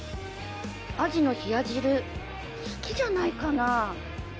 鯵の冷や汁好きじゃないかな？